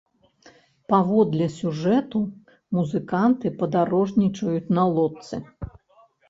Паводле сюжэту, музыканты падарожнічаюць на лодцы.